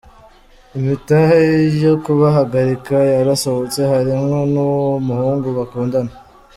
Imitahe yo kubahagarika yarasohotse harimwo n'uwuwo muhungu bakundana.